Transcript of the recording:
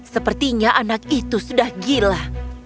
sepertinya anak itu sudah gila